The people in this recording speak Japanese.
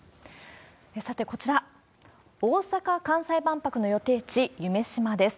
さて、こちら、大阪・関西万博の予定地、夢洲です。